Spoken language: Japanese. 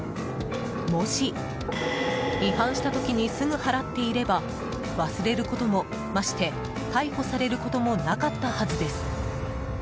もし、違反した時にすぐ払っていれば忘れることもまして逮捕されることもなかったはずです。